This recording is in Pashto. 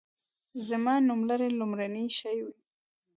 زما د نوملړ لومړنی شی وي.